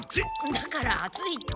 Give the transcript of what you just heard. だから熱いって。